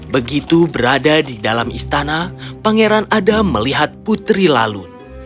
begitu berada di dalam istana pangeran adam melihat putri lalun